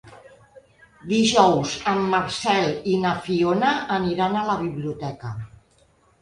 Dijous en Marcel i na Fiona aniran a la biblioteca.